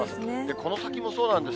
この先もそうなんです。